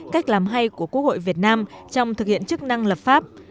cách làm hay của quốc hội việt nam trong thực hiện chức năng lập pháp